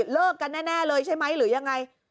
เลิกกันแน่เลยใช่ไหมหรือยังไง